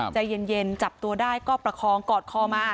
ใจเย็นจับตัวได้ก็ประคองกอดคอมา